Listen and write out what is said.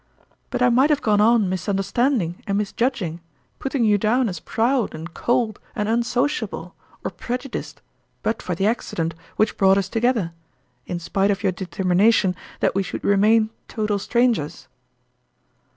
" But I might have gone on misunderstand ing and misjudging, putting you down as proud and cold and unsociable, or prejudiced, but for the accident which brought us togeth er, in spite of your determination that we should remain total strangers."